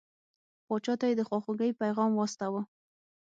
پاچا ته یې د خواخوږی پیغام واستاوه.